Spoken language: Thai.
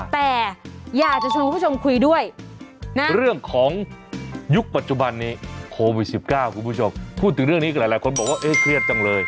แต่อยากจะชวนคุณผู้ชมคุยด้วยนะเรื่องของยุคปัจจุบันนี้โควิด๑๙คุณผู้ชมพูดถึงเรื่องนี้หลายคนบอกว่าเอ๊ะเครียดจังเลย